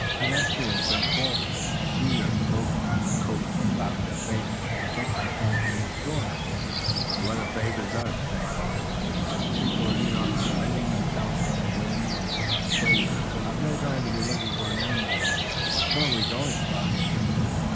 Pedestrians bent forward, and drew their cloaks or coats about their faces to protect themselves from the storm. "The weather favors us," said St. Luc. "The people of New York defending themselves from the wind and the flakes will have no time to be looking for an enemy among them." "Where are we going, chevalier?"